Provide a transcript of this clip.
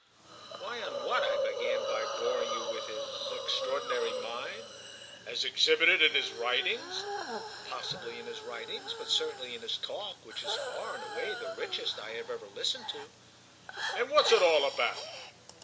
"Why on what I began by boring you with—his extraordinary mind." "As exhibited in his writings?" "Possibly in his writings, but certainly in his talk, which is far and away the richest I ever listened to." "And what's it all about?"